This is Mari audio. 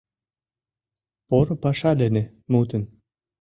Поро паша дене мутын